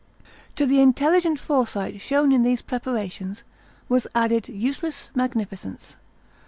To the intelligent foresight shown in these preparations was added useless magnificence.